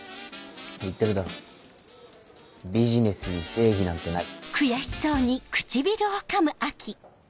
言ってるだろビジネスに正義なんてない。